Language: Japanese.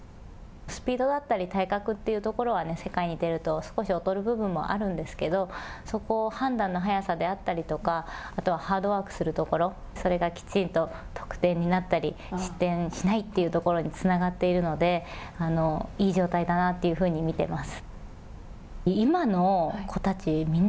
スピードだったり体格というところはね、世界に出ると少し劣る部分もあるんですけどそこ、判断の早さであったりとか、あとはハードワークするところそれがきちんと得点になったり、失点しないというところにつながっているので、いい状態だなというふうに見ています。